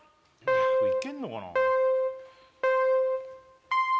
これいけんのかな？